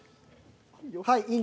はい。